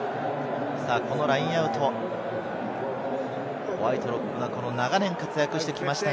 このラインアウト、ホワイトロックが長年、活躍してきました。